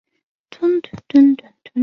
有效瓦解群众暴力攻击